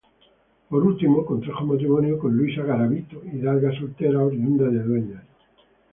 Por último, contrajo matrimonio con Luisa Garavito, hidalga soltera oriunda de Dueñas.